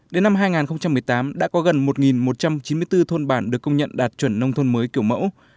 đến năm hai nghìn một mươi tám đã có gần một một trăm chín mươi bốn thôn bản được công nhận đạt chuẩn nông thôn mới kiểu mẫu